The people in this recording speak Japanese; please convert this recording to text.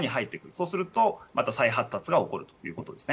そうするとまた再発達が起こるということです。